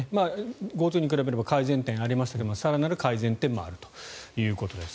ＧｏＴｏに比べれば改善点はありますが更なる改善点もあるということです。